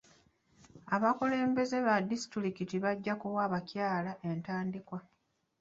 Abakulembeze ba disitulikiti bajja kuwa abakyala entandikwa.